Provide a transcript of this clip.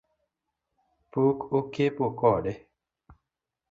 Pok okepo kode